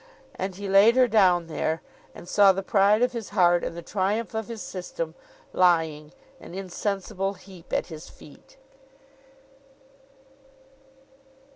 And he laid her down there, and saw the pride of his heart and the triumph of his system, lying, an insensible heap, at his feet.